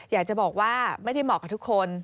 อยากจะบอกว่าไม่ได้เหมาะกับทุกคน